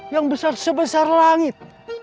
yang besar sebesar langit